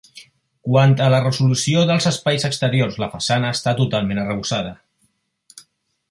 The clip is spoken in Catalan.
Quant a la resolució dels espais exteriors la façana està totalment arrebossada.